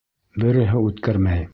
Береһе үткәрмәй!